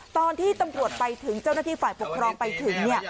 ตอนที่ตำรวจไปถึงเจ้าหน้าที่ฝ่ายปกครองไปถึง